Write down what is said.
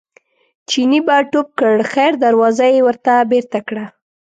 چیني به ټوپ کړ خیر دروازه یې ورته بېرته کړه.